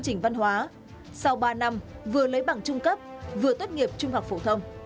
học sinh văn hóa sau ba năm vừa lấy bằng trung cấp vừa tốt nghiệp trung học phổ thông